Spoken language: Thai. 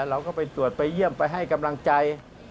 เราก็ไปตรวจไปเยี่ยมไปให้กำลังใจ